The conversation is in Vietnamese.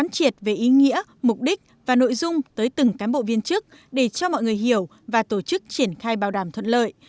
triệt về ý nghĩa mục đích và nội dung tới từng cán bộ viên chức để cho mọi người hiểu và tổ chức triển khai bảo đảm thuận lợi